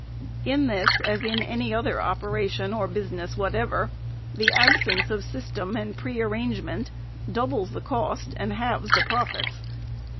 In this, as in any other operation or business whatever, the absence of sys tem and pre arrangement doubles cost and halves profits.